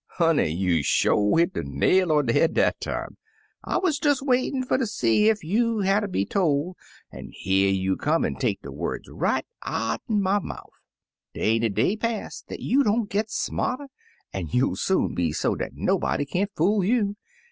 "Honey, you sho' hit de nail on de head dat time. I wuz des waitin' fer ter see ef youM hatter be toF, an' here you come an* take de words right out'n my mouf. Dey ain't a day pass dat you dcMi't git smarter, an* you'll soon be so dat nobody can't fool you.